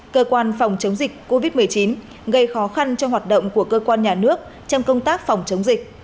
cơ quan phòng chống dịch covid một mươi chín gây khó khăn cho hoạt động của cơ quan nhà nước trong công tác phòng chống dịch